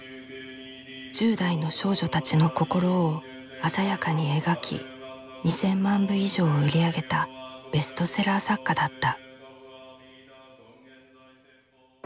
１０代の少女たちの心を鮮やかに描き２，０００万部以上を売り上げたベストセラー作家だった。